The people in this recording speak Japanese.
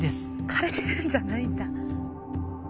枯れてるんじゃないんだ。